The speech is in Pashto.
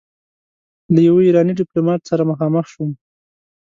له يوه ايراني ډيپلومات سره مخامخ شوم.